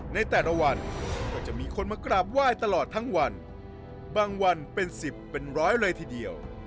ในแต่ละวันก็จะมีคนมากราบไหว้ตลอดทั้งวันบางวันเป็นสิบเป็นร้อยเลยทีเดียว